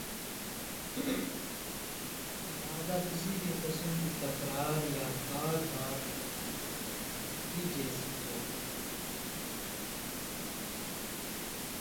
لہذا کسی بھی قسم کی تکرار یا بار بار ترغیب غنودگی جیسی کیفیت پیدا کرتی ہے